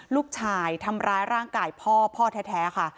ลูกชายทำร้ายร่างกายพ่อพ่อแท้ค่ะ